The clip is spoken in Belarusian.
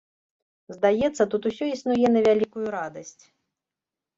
Здаецца, тут усё існуе на вялікую радасць.